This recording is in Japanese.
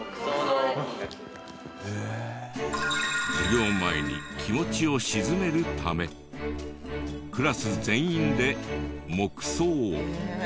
授業前に気持ちを静めるためクラス全員で黙想。